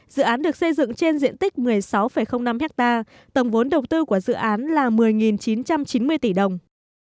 dự án được xây dựng trên diện tích một mươi sáu năm hectare tổng vốn đầu tư của dự án là một mươi chín trăm chín mươi tỷ đồng